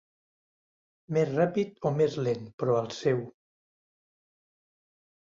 Més ràpid o més lent, però al seu.